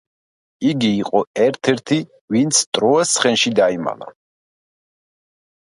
იგი იყო ერთ-ერთი, ვინც ტროას ცხენში დაიმალა.